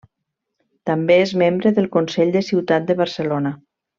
També és membre del Consell de Ciutat de Barcelona.